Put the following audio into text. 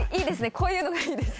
こういうのがいいです。